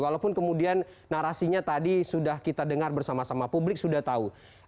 walaupun kemudian narasinya tadi sudah kita dengar bersama sama publik sudah tahu